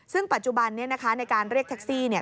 ซึ่งปัจจุบันนี้นะคะในการเรียกแท็กซี่เนี่ย